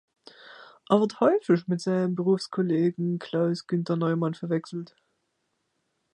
Er wird häufig mit seinem Berufskollegen Klaus Günter Neumann verwechselt.